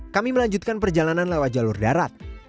kami melanjutkan perjalanan lewat jalur darat